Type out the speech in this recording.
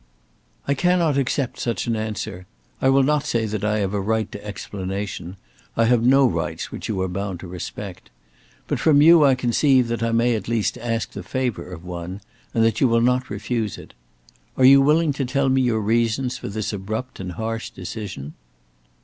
"I cannot accept such an answer. I will not say that I have a right to explanation, I have no rights which you are bound to respect, but from you I conceive that I may at least ask the favour of one, and that you will not refuse it. Are you willing to tell me your reasons for this abrupt and harsh decision?"